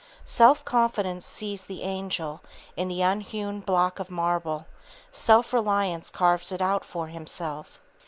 Self confidence sees the angel in the unhewn block of marble; self reliance carves it out for himself.